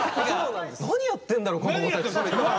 何やってんだろこの子たち。